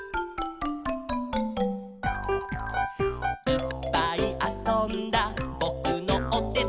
「いっぱいあそんだぼくのおてて」